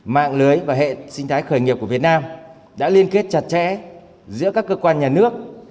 mạng lưới và hệ sinh thái khởi nghiệp của việt nam đã liên kết chặt chẽ giữa các cơ quan nhà nước